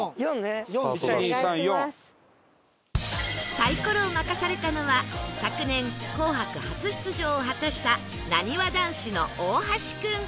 サイコロを任されたのは昨年『紅白』初出場を果たしたなにわ男子の大橋君